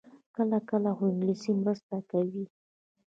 کله کله، خو انګلیسي مرسته کوي